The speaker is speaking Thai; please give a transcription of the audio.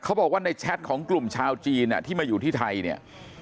เขาบอกว่าในแชทของกลุ่มชาวจีนที่มาอยู่ที่ไทยเนี่ย